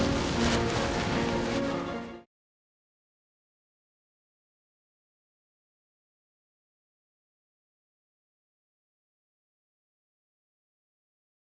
tapi saya tetap mesra dengan semua rasa kebolehan linguat gmp